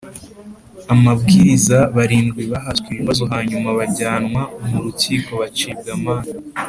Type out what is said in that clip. Ababwiriza barindwi bahaswe ibibazo hanyuma bajyanwa mu rukiko bacibwa amande